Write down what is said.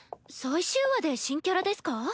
最終話で新キャラですか？